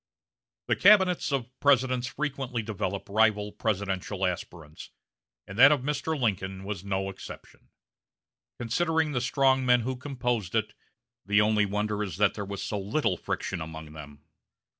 The cabinets of Presidents frequently develop rival presidential aspirants, and that of Mr. Lincoln was no exception. Considering the strong men who composed it, the only wonder is that there was so little friction among them.